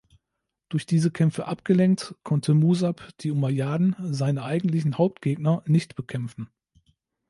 Durch diese Kämpfe abgelenkt konnte Musab die Umayyaden, seine eigentlichen Hauptgegner, nicht bekämpfen.